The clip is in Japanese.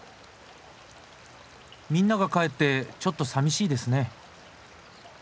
みんなが帰ってちょっとさみしいですね。